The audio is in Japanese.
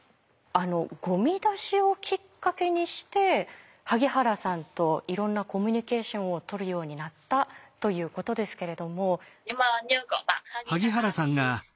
ゴミ出しをきっかけにして萩原さんといろんなコミュニケーションを取るようになったということですけれども。